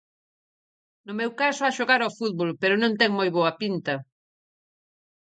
No meu caso a xogar ao fútbol, pero non ten moi boa pinta.